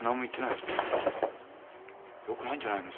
よくないんじゃないの？